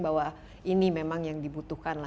bahwa ini memang yang dibutuhkan